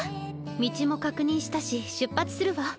道も確認したし出発するわ。